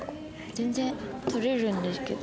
全然取れるんですけど。